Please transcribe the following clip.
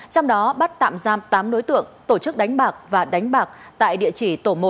trong đó bắt tạm giam tám đối tượng tổ chức đánh bạc và đánh bạc tại địa chỉ tổ một